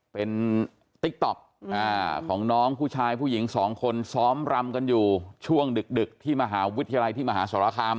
เป็นติ๊กต๊อกของน้องผู้ชายผู้หญิงสองคนซ้อมรำกันอยู่ช่วงดึกที่มหาวิทยาลัยที่มหาสรคาม